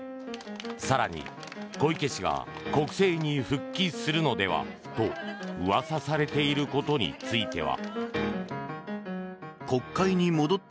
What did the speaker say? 更に小池氏が国政に復帰するのではとうわさされていることについては。